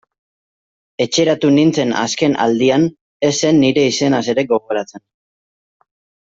Etxeratu nintzen azken aldian, ez zen nire izenaz ere gogoratzen...